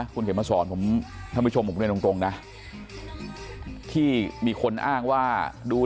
นี่นะคุณเขียนมาสอนผมถ้ามีชมผมเรียนตรงนะที่มีคนอ้างว่าดู